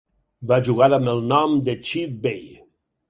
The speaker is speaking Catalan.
Va jugar amb el nom de Chief Bey.